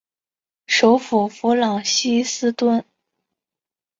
首府弗朗西斯敦。